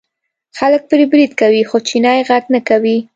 خلک پرې برید کوي خو چینی غږ نه کوي.